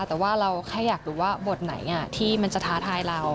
แต่ว่าเราแค่อยากรู้ว่าบทไหนที่มันจะท้าทายเรา